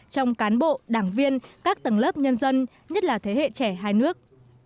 trong cán bộ đảng viên các tầng lớp nhân dân nhất là thế hệ trẻ hai nước